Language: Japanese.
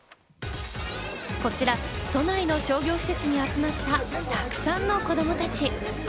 こちら都内の商業施設に集まった、たくさんの子供たち。